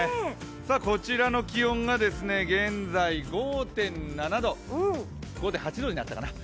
こちらの気温が現在５．７度、５．８度になったかな。